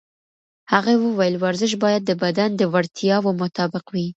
هغې وویل ورزش باید د بدن د وړتیاوو مطابق وي.